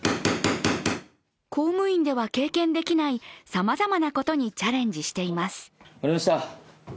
公務員では経験できないさまざまなことにチャレンジしています。